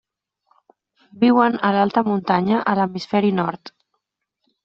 Viuen a l'alta muntanya a l'hemisferi nord.